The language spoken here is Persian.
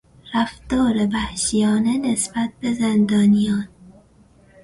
رفتار وحشیانه نسبت به زندانیان